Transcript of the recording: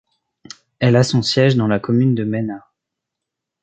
Elle a son siège dans la commune de Mehna.